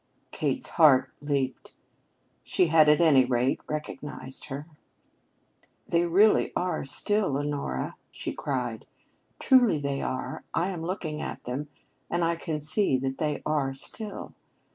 Kate's heart leaped. She had, at any rate, recognized her. "They really are still, Honora," she cried. "Truly they are. I am looking at them, and I can see that they are still.